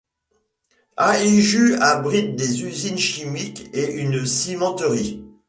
Haeju abrite des usines chimiques et une cimenterie.